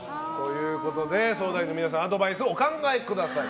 相談員の皆さんアドバイスをお考えください。